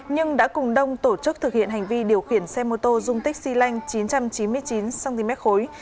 nhưng đã cùng đông tổ chức thực hiện hành vi điều khiển xe mô tô dung tích xy lanh chín trăm chín mươi chín cm khối